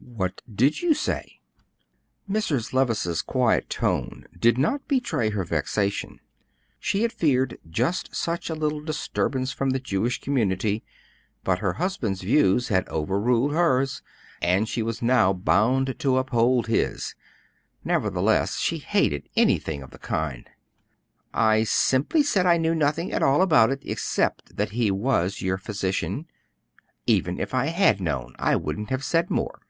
"What did you say?" Mrs. Levice's quiet tone did not betray her vexation. She had feared just such a little disturbance from the Jewish community, but her husband's views had overruled hers, and she was now bound to uphold his. Nevertheless, she hated anything of the kind. "I simply said I knew nothing at all about it, except that he was your physician. Even if I had known, I wouldn't have said more."